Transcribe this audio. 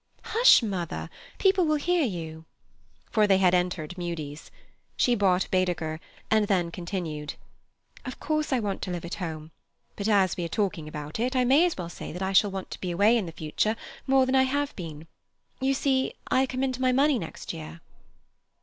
"Hush, mother! People will hear you"; for they had entered Mudie's. She bought Baedeker, and then continued: "Of course I want to live at home; but as we are talking about it, I may as well say that I shall want to be away in the future more than I have been. You see, I come into my money next year."